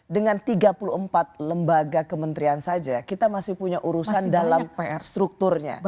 dengan tiga puluh empat lembaga kementerian saja kita masih punya urusan dalam pr strukturnya